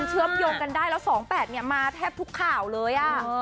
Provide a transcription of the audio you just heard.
เชื่อมโยงกันได้แล้ว๒๘มาแทบทุกข่าวเลย